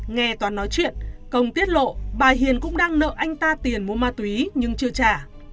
nghe toán nói chuyện công tiết lộ bà hiền cũng đang nợ anh ta tiền mua ma túy nhưng chưa trả